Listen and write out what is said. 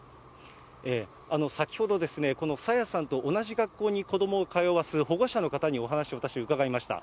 先ほど、この朝芽さんと同じ学校に子どもを通わす保護者の方にお話を、私、伺いました。